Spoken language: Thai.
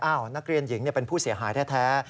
นักเรียนหญิงเป็นผู้เสียหายแท้